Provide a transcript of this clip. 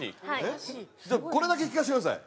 じゃあこれだけ聞かせてください。